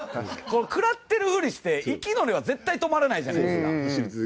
食らってるふりして息の根は絶対止まらないじゃないですか。